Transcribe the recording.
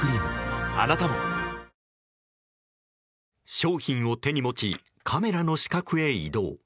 商品を手に持ちカメラの死角へ移動。